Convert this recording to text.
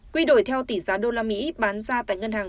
quy đổi theo tỷ giá usd bán ra tại ngân hàng